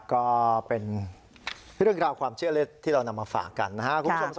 ก็เป็นเรื่องราวความเชื่อเล็กที่เรานำมาฝากกันนะครับคุณผู้ชม